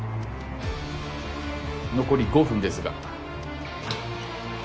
残り５分ですが。